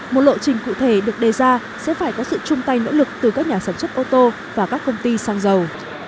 một lộ trình cụ thể được đề ra sẽ phải có sự chung tay nỗ lực từ các nhà sản xuất ô tô và các công ty xăng dầu